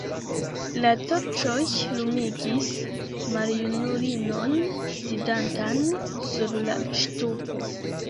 La torĉoj lumigis maljunulinon, sidantan sur la ŝtupo.